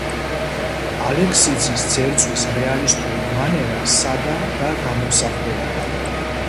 ალექსიძის ძერწვის რეალისტური მანერა სადა და გამომსახველია.